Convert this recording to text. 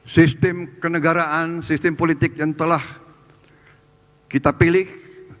sistem kenegaraan sistem politik yang telah kita pilih